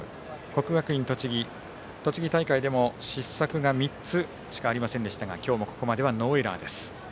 国学院栃木、栃木大会でも失策が３つしかありませんでしたが今日もここまではノーエラーです。